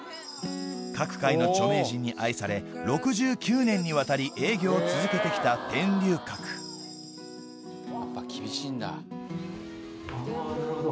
各界の著名人に愛され６９年にわたり営業を続けて来た天龍閣なるほど。